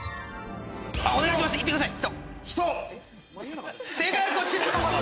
お願いします言ってください！